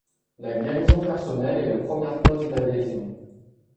La guérison personnelle est la première cause d’adhésion.